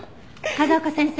風丘先生。